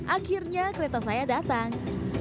akhirnya kereta saya datang